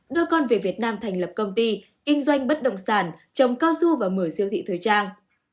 đưa con về việt nam thành lập công ty kinh doanh bất động sản trồng cao su và mở siêu thị thời trang